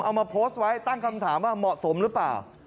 เอามาโพสต์ไว้ตั้งคำถามว่าเหมาะสมหรือเปล่า